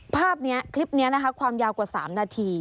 ภาพนี้คลิปนี้นะคะความยาวกว่า๓นาที